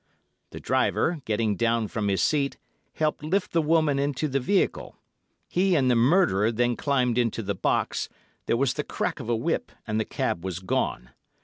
The driver, getting down from his seat, helped lift the woman into the vehicle; he and the murderer then climbed into the box, there was the crack of a whip, and the cab was gone.